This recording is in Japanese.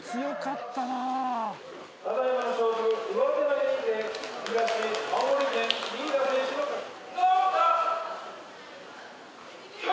・ただ今の勝負上手投げにて東青森県新井田選手の勝ち。